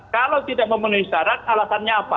kalau tidak memenuhi syarat alasannya apa